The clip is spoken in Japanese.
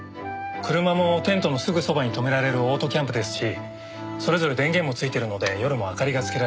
車もテントのすぐそばに止められるオートキャンプですしそれぞれ電源もついてるので夜も明かりがつけられます。